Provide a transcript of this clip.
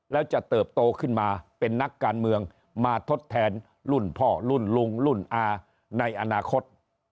แล้วจะเติบโตขึ้นมาเป็นนักการเมืองมาทดแทนรุ่นพ่อรุ่นลุงรุ่นอาในอนาคต